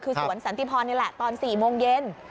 คือสวนสันติพรนี่แหละตอน๔โมงเย็น